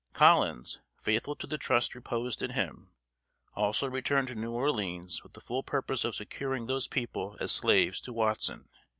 Collins, faithful to the trust reposed in him, also returned to New Orleans with the full purpose of securing those people as slaves to Watson.